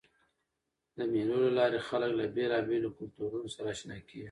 د مېلو له لاري خلک له بېلابېلو کلتورونو سره اشنا کېږي.